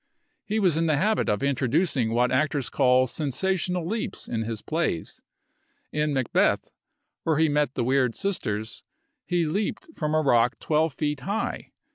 He was in the habit of introducing what actors call sensational leaps in his plays. In "Macbeth," where he met the weird sisters, he leaped from a rock twelve feet high.